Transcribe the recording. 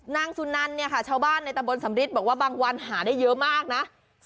นางสุนันเนี่ยค่ะชาวบ้านในตะบนสำริทบอกว่าบางวันหาได้เยอะมากนะ